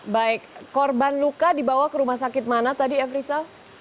baik korban luka dibawa ke rumah sakit mana tadi ef rizal